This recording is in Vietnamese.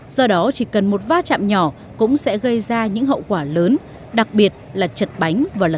do đó chỉ cần một va chạm nhỏ cũng sẽ gây ra những hậu quả lớn đặc biệt là chật bánh và lật